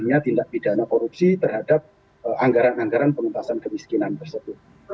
hanya tindak pidana korupsi terhadap anggaran anggaran pengentasan kemiskinan tersebut